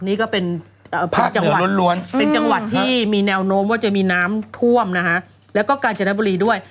นี้ก็เป็นจังหวัดที่มีแนวโน้มว่าจะมีน้ำท่วมนะคะแล้วก็การเจรดบุรีด้วย